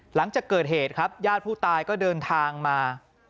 หลังจากเกิดเหตุครับญาติผู้ตายก็เดินทางมา